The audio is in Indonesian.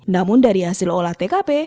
namun dari hasil olah tkp